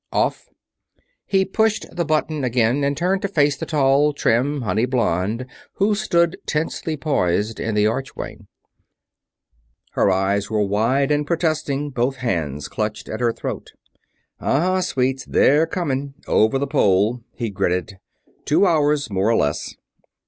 "Off!" He pushed the button again and turned to face the tall, trim honey blonde who stood tensely poised in the archway. Her eyes were wide and protesting; both hands clutched at her throat. "Uh huh, sweets, they're coming over the Pole," he gritted. "Two hours, more or less."